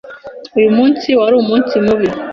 Uyu munsi wari umunsi mubi.